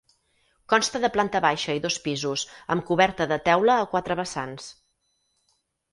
Consta de planta baixa i dos pisos, amb coberta de teula a quatre vessants.